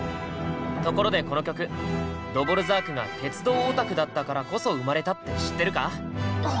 ところでこの曲ドヴォルザークが鉄道オタクだったからこそ生まれたって知ってるか？は？